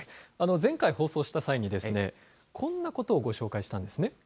前回放送した際に、こんなことをご紹介したんですね。